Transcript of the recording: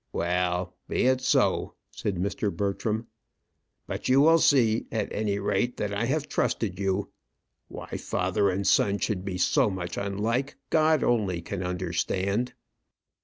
"Well; be it so," said Mr. Bertram. "But you will see, at any rate, that I have trusted you. Why father and son should be so much unlike, God only can understand."